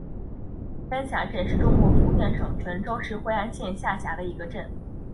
山霞镇是中国福建省泉州市惠安县下辖的一个镇。